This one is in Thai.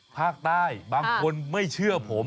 ภาคใต้บางคนไม่เชื่อผม